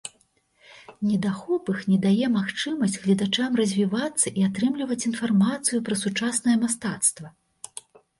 Недахоп іх не дае магчымасць гледачам развівацца і атрымліваць інфармацыю пра сучаснае мастацтва.